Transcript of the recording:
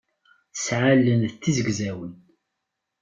Tesɛa allen d tizegzawin.